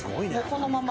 このまま？